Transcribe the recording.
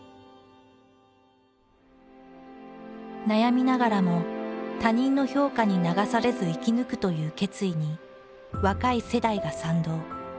悩みながらも他人の評価に流されず生き抜くという決意に若い世代が賛同。